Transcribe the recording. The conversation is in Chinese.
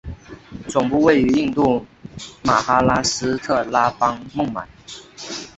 总部位于印度马哈拉施特拉邦孟买。